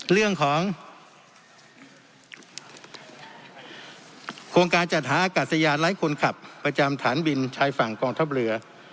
เรื่องของโครงการจัดหาอากาศยานไร้คนขับประจำฐานบินชายฝั่งกองทัพเรือ